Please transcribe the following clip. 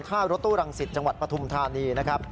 ท่ารถตู้รังสิตจังหวัดปฐุมธานีนะครับ